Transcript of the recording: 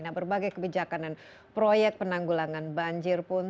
nah berbagai kebijakan dan proyek penanggulangan banjir pun